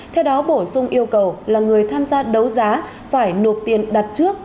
theo đó bổ sung yêu cầu là người tham gia đấu giá phải nộp tiền đặt trước